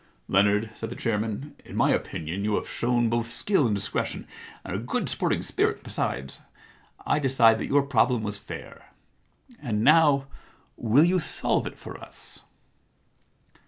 * Leonard,' said the chairman, * in my opinion you have shown both skill and dis cretion, and a good sporting spirit besides. I decide that your problem was fair. And now will you solve it for us